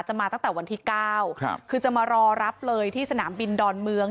มาตั้งแต่วันที่๙คือจะมารอรับเลยที่สนามบินดอนเมือง